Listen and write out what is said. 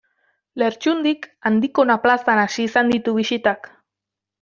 Lertxundik Andikona plazan hasi izan ditu bisitak.